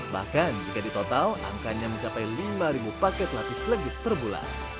bahkan jika ditotal angkanya mencapai lima ribu paket lapis legit per bulan